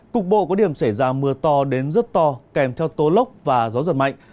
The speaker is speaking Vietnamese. cục bộ có điểm xảy ra mưa to đến rất to kèm theo tố lốc và gió giật mạnh